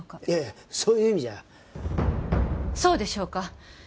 いやいやそういう意味じゃそうでしょうか？